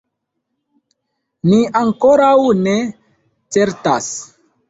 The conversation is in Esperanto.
Ni ankoraŭ ne certas.